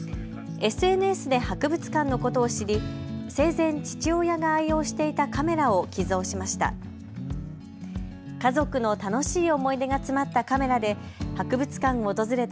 ＳＮＳで博物館のことを知り、生前、父親が愛用していたカメラを寄贈しました。